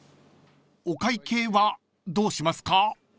［お会計はどうしますか？］